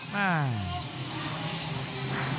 เดิม